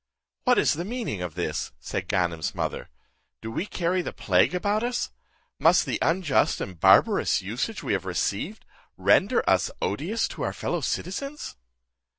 "What is the meaning of this," said Ganem's mother; "do we carry the plague about us? Must the unjust and barbarous usage we have received render us odious to our fellow citizens?